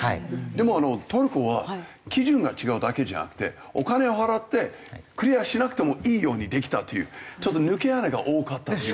でもトルコは基準が違うだけじゃなくてお金を払ってクリアしなくてもいいようにできたというちょっと抜け穴が多かったという。